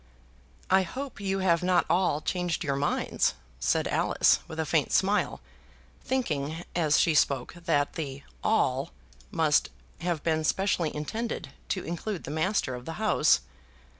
"I hope you have not all changed your minds," said Alice, with a faint smile, thinking as she spoke that the "all" must have been specially intended to include the master of the house.